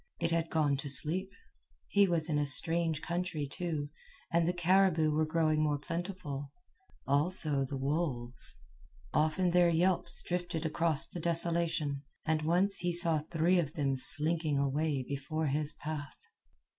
It had gone to sleep. He was in a strange country, too, and the caribou were growing more plentiful, also the wolves. Often their yelps drifted across the desolation, and once he saw three of them slinking away before his path.